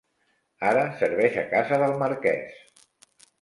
Ara serveix a casa del marquès.